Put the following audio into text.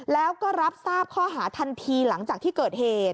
แล้วก็รับทราบข้อหาทันทีหลังจากที่เกิดเหตุ